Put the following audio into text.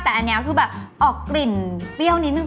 แต่อันนี้คือแบบออกกลิ่นเปรี้ยวนิดนึง